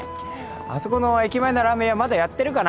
あそこの駅前のラーメン屋まだやってるかな？